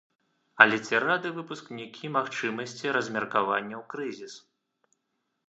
Але ці рады выпускнікі магчымасці размеркавання ў крызіс.